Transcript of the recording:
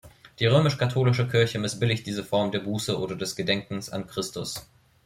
Die römisch-katholische Kirche missbilligt diese Form der Buße oder des Gedenkens an Christus.